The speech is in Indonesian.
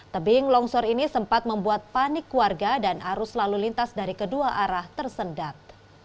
tebing longsor ini sempat membuat panik warga dan arus lalu lintas dari kedua arah tersendat